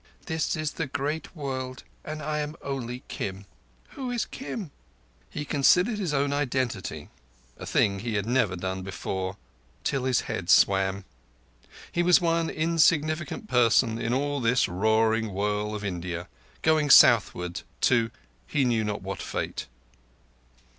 This is the great world, and I am only Kim. Who is Kim?" He considered his own identity, a thing he had never done before, till his head swam. He was one insignificant person in all this roaring whirl of India, going southward to he knew not what fate.